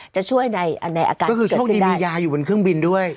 จะช่วยในอาการที่เกิดก็คือช่วงดีมียายี่บนเครื่องบินด้วย